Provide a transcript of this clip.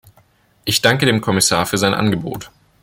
Ich danke dem Kommissar für sein Angebot.